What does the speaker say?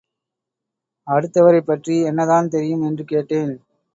அடுத்தவரைப் பற்றி என்னதான் தெரியும் என்று கேட்டேன்.